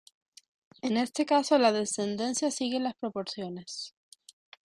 En este caso la descendencia sigue las proporciones.